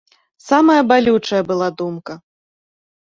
Самая балючая была думка.